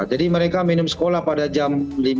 jadi mereka minum sekolah pada jam lima belas